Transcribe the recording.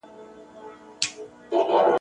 ورور او پلار وژني چي امر د سرکار وي !.